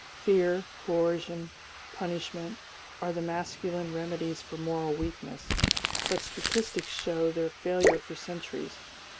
Fear, coercion, punishment, are the masculine remedies for moral weakness, but statistics show their failure for centuries.